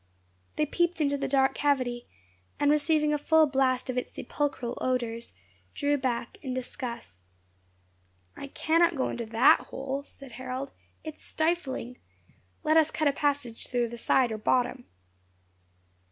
They peeped into the dark cavity, and receiving a full blast of its sepulchral odours, drew back in disgust. "I cannot go into that hole," said Harold, "it is stifling. Let us cut a passage through the side or bottom."